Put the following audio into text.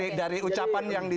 ini dari ucapan yang disini